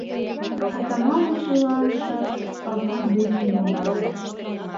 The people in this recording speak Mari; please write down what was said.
Атаманыч илалше салтак деке логале.